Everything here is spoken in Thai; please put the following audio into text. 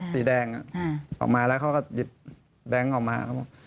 สีแดงออกมาแล้วเขาก็หยิบแบงค์ออกมาเขาบอก